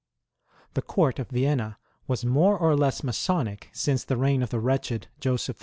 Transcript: The Court of Vienna was more or less Masonic since the reign of the wretched Joseph II.